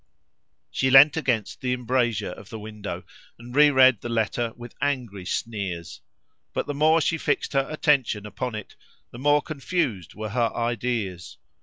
She leant against the embrasure of the window, and reread the letter with angry sneers. But the more she fixed her attention upon it, the more confused were her ideas.